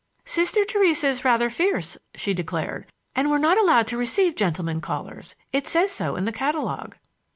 "Sister Theresa is rather fierce," she declared. "And we're not allowed to receive gentlemen callers,—it says so in the catalogue."